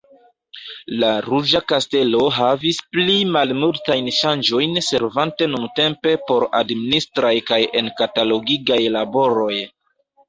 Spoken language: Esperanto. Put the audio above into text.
La Ruĝa Kastelo havis pli malmultajn ŝanĝojn servante nuntempe por admininistraj kaj enkatalogigaj laboroj.